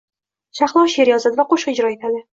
Shahlo sheʼr yozadi va qoʻshiq ijro etadi.